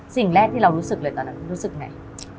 สิ่งแรกที่เรารู้สึกเลยตอนนั้นรู้สึกไง